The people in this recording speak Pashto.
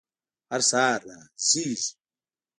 هر سهار را زیږي